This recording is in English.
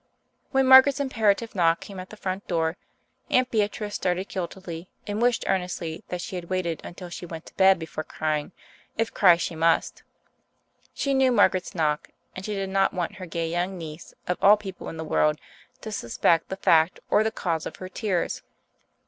When Margaret's imperative knock came at the front door, Aunt Beatrice started guiltily and wished earnestly that she had waited until she went to bed before crying, if cry she must. She knew Margaret's knock, and she did not want her gay young niece, of all people in the world, to suspect the fact or the cause of her tears.